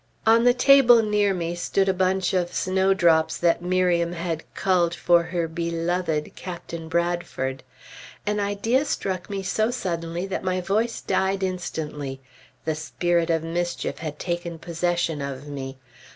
On the table near me stood a bunch of snowdrops that Miriam had culled for her beloved Captain Bradford. An idea struck me so suddenly that my voice died instantly. The spirit of mischief had taken possession of me.